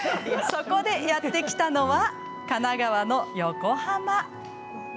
そこでやって来たのは神奈川の横浜。